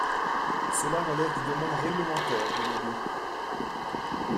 Cela relève du domaine réglementaire, délégué.